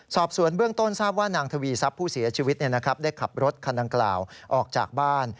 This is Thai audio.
สอบสวนเบื้องต้นทราบว่านางทวีทรัพย์ผู้เสียชีวิตได้ขับรถคันดังกล่าวออกจากบ้าน